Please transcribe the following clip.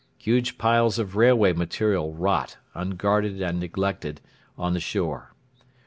Huge piles of railway material rot, unguarded and neglected, on the shore.